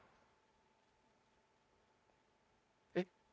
えっ。